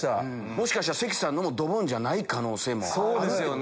もしかしたら関さんのもドボンじゃない可能性もある。